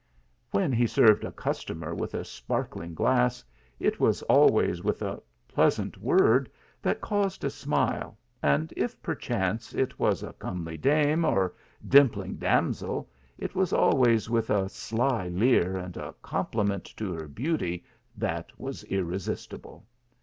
" When he served a customer with a spark ling glass, it was always with a pleasant word that caused a smile, and if, perchance, it was a comely dame, or dimpling damsel, it was always with a sly leer and a compliment to her beauty that was irre sistible.